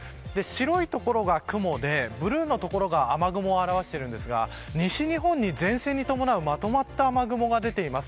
白い所が雲でブルーの所が雨雲を表しているんですが西日本に前線に伴うまとまった雨雲が出ています。